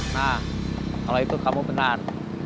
nah kalau itu kamu benar